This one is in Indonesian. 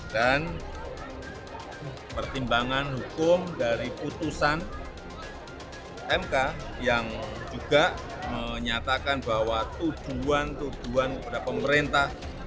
dan pertimbangan hukum dari putusan mk yang juga menyatakan bahwa tujuan tujuan kepada pemerintah